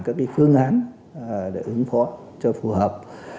các phương án để ứng phó cho phù hợp